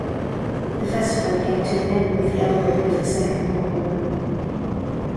The festival came to an end with the outbreak of the Second World War.